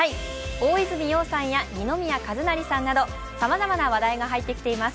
大泉洋さんや二宮和也さんなど、さまざまな話題が入ってきてます。